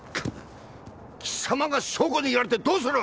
貴様が証拠握られてどうする！